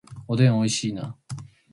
おでん美味しいな